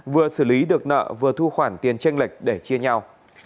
vừa xử lý được nợ vừa thu khoản tiền tranh lệch để chia nhau